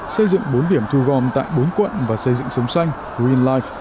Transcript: xây dựng bốn điểm thu gom tại bốn quận và xây dựng sống xanh greenlight